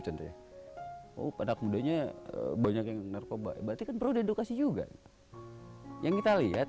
tentunya oh padahal mudanya banyak yang narkoba batikan produk edukasi juga yang kita lihat